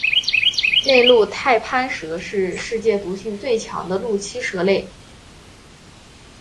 内陆太攀蛇是世界毒性最强的陆栖蛇类。